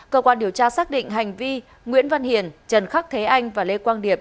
cơ quan điều tra xác định hành vi nguyễn văn hiền trần khắc thế anh và lê quang điệp